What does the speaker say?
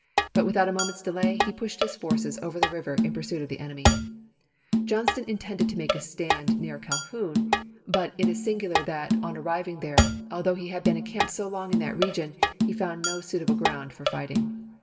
But, without a moment's delay, he pushed his forces over the river in pursuit of the enemy. Johnston in tended to make a stand near Calhoun, but it is sin "JNarrative gular that on arriving there, although he had been 0 opera ry encamped so long in that region, he found no suit tiona," x n i • rr «t p. 319. able ground for fighting.